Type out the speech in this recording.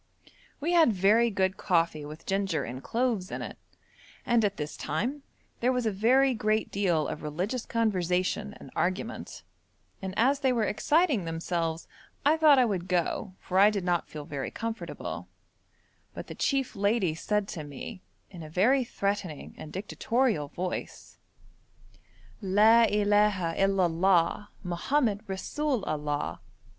We had very good coffee with ginger and cloves in it, and at this time there was a very great deal of religious conversation and argument, and as they were exciting themselves I thought I would go, for I did not feel very comfortable; but the chief lady said to me, in a very threatening and dictatorial voice: 'La illaha il Allah! Mohammed resoul Allah.'